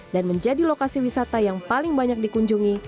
dan menjadi lokasi wisata yang paling banyak dikunjungi